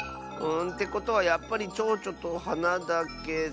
てことはやっぱりちょうちょとはなだけど。